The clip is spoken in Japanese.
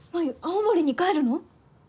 青森に帰るの？